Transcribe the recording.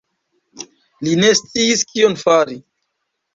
Li ne sciis kion fari.